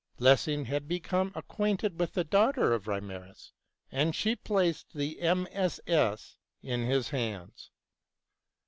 Lessing had become acquainted with the daughter of Reimarus, and she placed the MSS. in his hands.